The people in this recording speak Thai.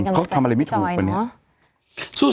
เพราะทำอะไรไม่ถูกเป็นเนี่ยสู้